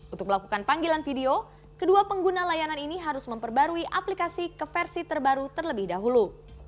untuk melakukan panggilan video kedua pengguna layanan ini harus memperbarui aplikasi ke versi terbaru terlebih dahulu